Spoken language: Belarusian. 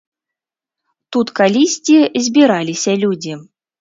Тут калісьці збіраліся людзі.